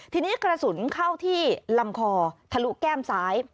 ทีนี้กระสุนเข้าที่ลำคอทะลุแก้มซ้าย